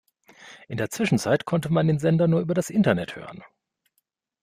In der Zwischenzeit konnte man den Sender nur über das Internet hören.